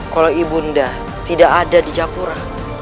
kalau ibu undak tidak ada di capura